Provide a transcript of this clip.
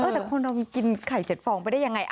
แต่คนเรามันกินไข่๗ฟองไปได้ยังไง